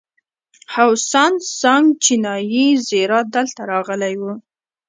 هسوان سانګ چینایي زایر دلته راغلی و